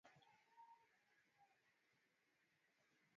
Silaha zinadaiwa zilitumika katika mashambulizi kwenye vijiji